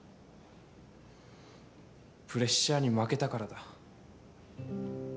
プレッシャーに負けたからだ。